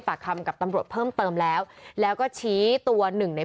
ปากคำกับตำรวจเพิ่มเติมแล้วแล้วก็ชี้ตัวหนึ่งใน